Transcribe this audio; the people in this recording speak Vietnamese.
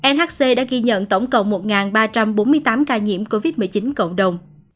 nhc đã ghi nhận tổng cộng một ba trăm bốn mươi tám ca nhiễm covid một mươi chín cộng đồng